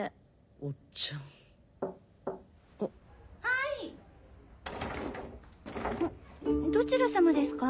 おっちゃん・はい・あどちらさまですか？